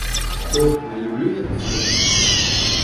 Ох, не люблю я тот свет!